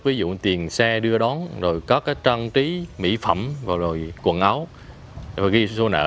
ví dụ tiền xe đưa đón trang trí mỹ phẩm quần áo ghi số nợ